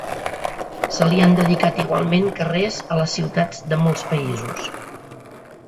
Se li han dedicat igualment carrers a les ciutats de molts països.